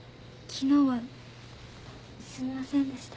昨日はすみませんでした。